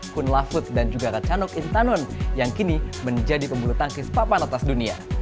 kun laffoot dan juga ratchanok intanon yang kini menjadi pembuluh tangkis papan atas dunia